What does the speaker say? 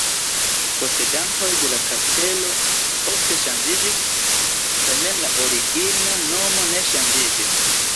Posedantoj de la kastelo ofte ŝanĝiĝis, tamen la origina nomo ne ŝanĝiĝis.